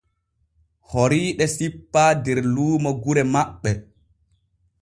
Horiiɗe sippaa der luumo gure maɓɓe.